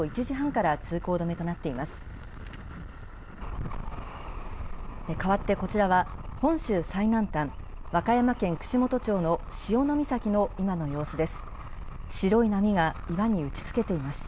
かわってこちらは、本州最南端、和歌山県串本町の潮岬の今の様子です。